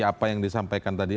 apa yang disampaikan tadi